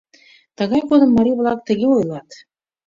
Тыгай годым марий-влак тыге ойлат: